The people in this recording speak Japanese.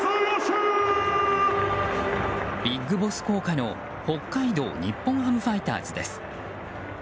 ＢＩＧＢＯＳＳ効果の北海道日本ハムファイターズです。